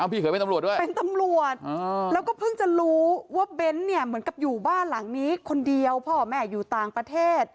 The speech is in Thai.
พี่เคยเป็นตำรวจด้วยเป็นตำรวจแล้วก็เพิ่งจะรู้ว่าเบ้นเนี่ยเหมือนกับอยู่บ้านหลังนี้คนเดียวพ่อแม่อยู่ต่างประเทศ